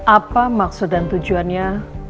apa maksud dan tujuannya